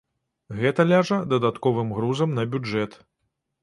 Гэта ляжа дадатковым грузам на бюджэт.